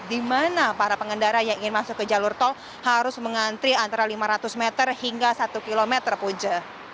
di mana para pengendara yang ingin masuk ke jalur tol harus mengantri antara lima ratus meter hingga satu km punce